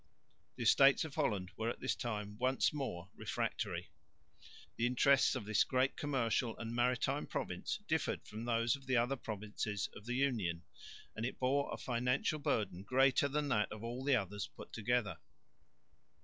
The Estates of Holland were at this time once more refractory. The interests of this great commercial and maritime province differed from those of the other provinces of the Union; and it bore a financial burden greater than that of all the others put together.